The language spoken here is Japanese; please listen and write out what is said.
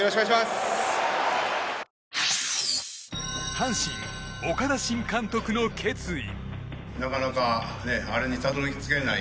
阪神、岡田新監督の決意。